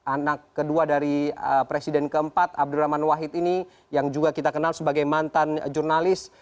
anak kedua dari presiden keempat abdurrahman wahid ini yang juga kita kenal sebagai mantan jurnalis